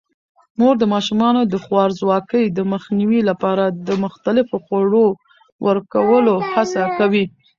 مور د ماشومانو د خوارځواکۍ د مخنیوي لپاره د مختلفو خوړو ورکولو هڅه کوي.